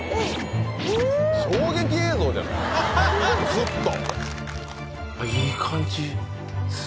ずっと。